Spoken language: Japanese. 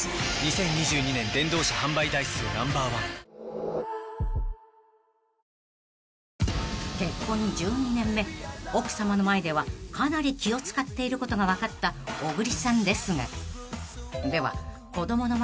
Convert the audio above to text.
新しくなった［結婚１２年目奥さまの前ではかなり気を使っていることが分かった小栗さんですが］